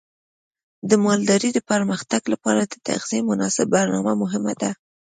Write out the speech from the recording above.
د مالدارۍ د پرمختګ لپاره د تغذیې مناسب برنامه مهمه ده.